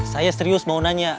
saya serius mau nanya